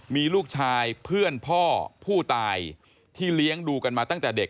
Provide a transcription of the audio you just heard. มีลูกชายเพื่อนพ่อผู้ตายที่เลี้ยงดูกันมาตั้งแต่เด็ก